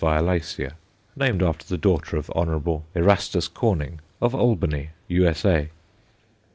violacea_, named after the daughter of Hon. Erastus Corning, of Albany, U.S.A.